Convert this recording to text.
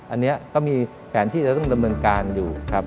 อันนี้ก็มีแผนที่จะต้องดำเนินการอยู่ครับ